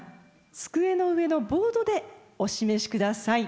机の上のボードでお示し下さい。